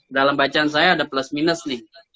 dalam bacaan saya ada plus minus nih